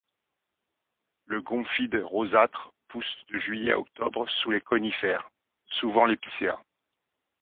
Le gomphide rosâtre pousse de juillet à octobre sous les conifères, souvent l'épicéa.